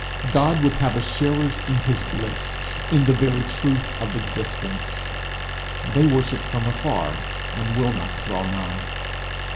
God would have us sharers in his bliss in the very truth of existence; they worship from afar, and will not draw nigh.